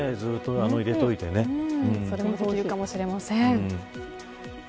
それもできるかもしれません。